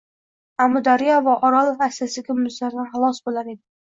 Amudaryo va Orol asta-sekin muzlardan xalos bo‘lar edi.